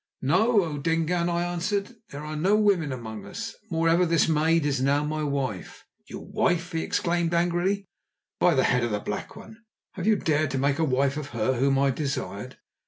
"No, O Dingaan," I answered; "there are no women among us. Moreover, this maid is now my wife." "Your wife!" he exclaimed angrily. "By the Head of the Black One, have you dared to make a wife of her whom I desired?